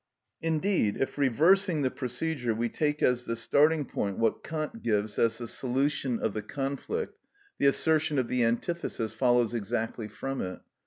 Indeed if, reversing the procedure, we take as the starting point what Kant gives as the solution of the conflict, the assertion of the antithesis follows exactly from it.